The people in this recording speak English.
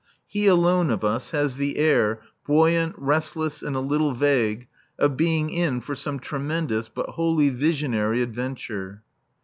He alone of us has the air, buoyant, restless, and a little vague, of being in for some tremendous but wholly visionary adventure.